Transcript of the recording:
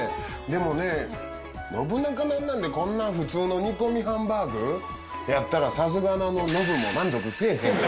でもね『ノブナカなんなん？』でこんな普通の煮込みハンバーグやったらさすがのノブも満足せえへん。